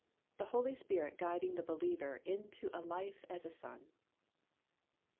THE HOLY SPIRIT GUIDING THE BELIEVER INTO A LIFE AS A SON.